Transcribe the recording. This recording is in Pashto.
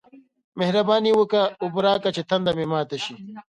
مهرباني وکه! اوبه راکه چې تنده مې ماته شي